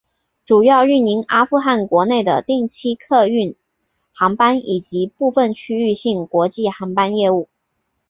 主要运营阿富汗国内的定期客运航班以及部分区域性国际航班业务。